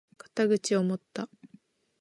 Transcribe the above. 肩口を持った！